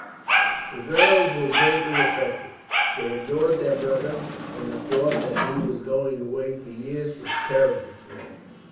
The girls were greatly affected. They adored their brother, and the thought that he was going away for years was terrible to them.